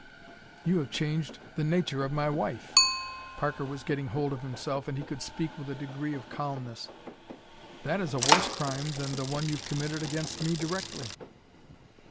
"You have changed the nature of my wife!" Parker was getting hold of himself and he could speak with a degree of calmness. "That is a worse crime than the one you've committed against me directly!"